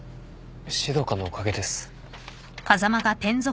指導官のおかげです。